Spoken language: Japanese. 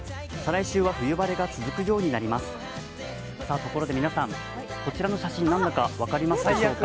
ところで皆さん、こちらの写真、何だか分かりますでしょうか？